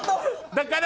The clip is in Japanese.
だから。